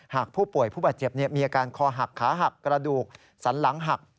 หากผู้ป่วยผู้บาดเจ็บมีอาการคอหักขาหักกระดูกสันหลังหัก